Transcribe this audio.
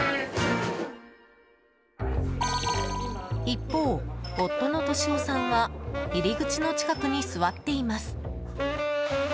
一方、夫の俊雄さんは入り口の近くに座っています。